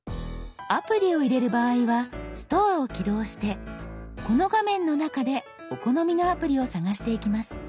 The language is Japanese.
アプリを入れる場合は「ストア」を起動してこの画面の中でお好みのアプリを探していきます。